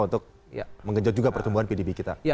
untuk mengejot juga pertumbuhan pdb kita